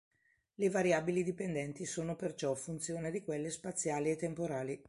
Le variabili dipendenti sono perciò funzione di quelle spaziali e temporali.